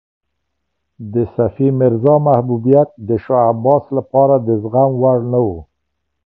د صفي میرزا محبوبیت د شاه عباس لپاره د زغم وړ نه و.